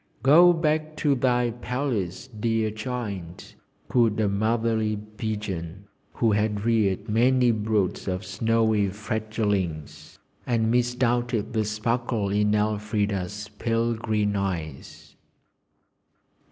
'Go back to thy palace, dear child!' cooed a motherly pigeon who had reared many broods of snowy fledglings, and misdoubted the sparkle in Elfrida's pale green eyes.